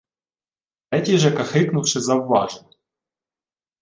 Третій же, кахикнувши, завважив: